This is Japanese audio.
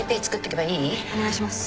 お願いします。